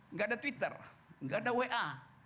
nggak ada twitter nggak ada wa